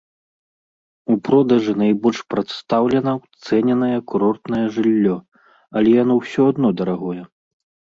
У продажы найбольш прадстаўлена ўцэненае курортнае жыллё, але яно ўсё адно дарагое.